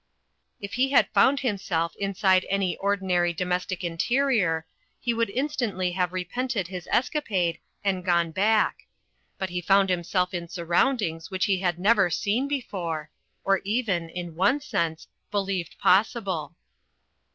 If he had foimd himself inside any ordinary domes tic interior, he would instantly have repented his es capade and gone back. But he foimd himself in surroundings which he had never seen before, or even, in one sense, believed possible.